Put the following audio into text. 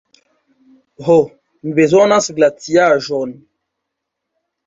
Ho, mi bezonas glaciaĵon.